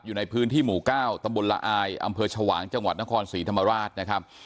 อยู่ในพื้นที่หมู่๙ตำบลละอายอำเภอชวางจังหวัดนครศรีธรรมราชนะครับ